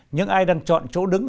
nhưng ai đang chọn chỗ đứng